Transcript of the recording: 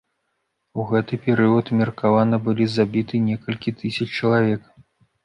У гэты перыяд меркавана былі забіты некалькі тысяч чалавек.